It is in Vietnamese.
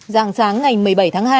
giàng sáng ngày một mươi bảy tháng hai